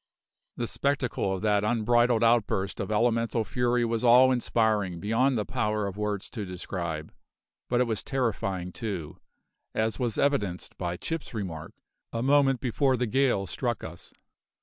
The spectacle of that unbridled outburst of elemental fury was awe inspiring beyond the power of words to describe, but it was terrifying too, as was evidenced by Chips' remark, a moment before the gale struck us.